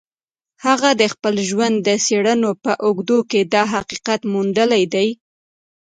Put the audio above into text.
هغه د خپل ژوند د څېړنو په اوږدو کې دا حقیقت موندلی دی